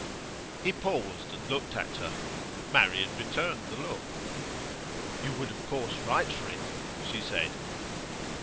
He paused and looked at her. Marian returned the look. 'You would of course write for it,' she said.